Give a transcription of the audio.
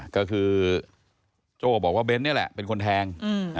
ก็คือโจ้บอกว่าเบ้นนี่แหละเป็นคนแทง